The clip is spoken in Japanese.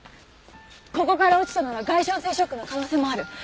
ここから落ちたなら外傷性ショックの可能性もある。